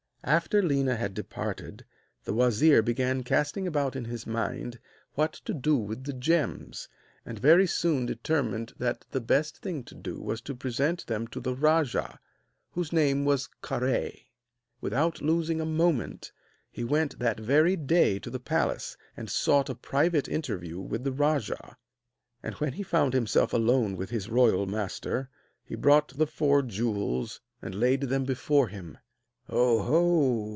After Léna had departed the wazir began casting about in his mind what to do with the gems; and very soon determined that the best thing to do was to present them to the rajah, whose name was Kahré. Without losing a moment, he went that very day to the palace, and sought a private interview with the rajah; and when he found himself alone with his royal master, he brought the four jewels and laid them before him. 'Oh, ho!'